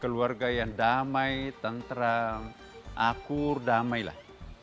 keluarga yang damai tentram akur damailah